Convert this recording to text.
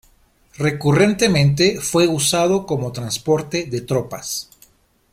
Recurrentemente fue usado como transporte de tropas.